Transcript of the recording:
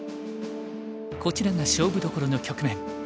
こちらが勝負どころの局面。